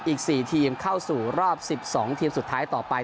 อีก๔ทีมเข้าสู่รอบ๑๒ทีมสุดท้ายต่อไป